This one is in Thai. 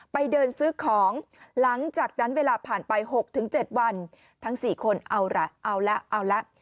ไปเดินซื้อของหลังจากนั้นเวลาผ่านไป๖๗วันทั้ง๔คนเอาละเอาแล้วเอาละ